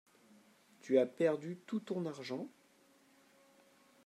Tu as perdu tout ton argent ?